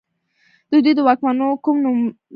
د دوی د واکمنو کوم نوملړ نشته